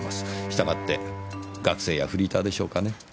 従って学生やフリーターでしょうかね。